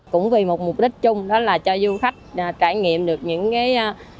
cũng vì một mục đích chung đó là cho du khách trải nghiệm được những cái